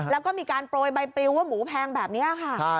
แล้วก็มีการโปรยใบปลิวว่าหมูแพงแบบนี้ค่ะ